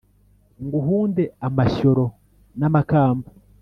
nguhunde amashyoro n’amakamba,